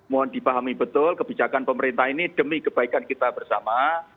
mohon dipahami betul kebijakan pemerintah ini demi kebaikan kita bersama